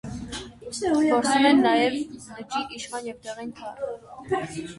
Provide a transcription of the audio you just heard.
Որսում են նաև լճի իշխան և դեղին թառ։